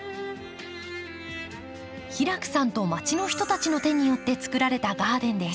平工さんとまちの人たちの手によってつくられたガーデンです。